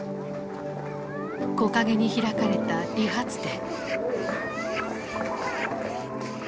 木陰に開かれた理髪店。